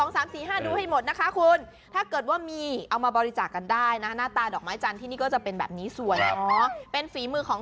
สุดท้ายคือพอตรวจแล้วไม่ถูกคือโยน